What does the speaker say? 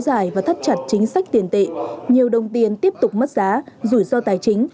giải và thắt chặt chính sách tiền tệ nhiều đồng tiền tiếp tục mất giá rủi ro tài chính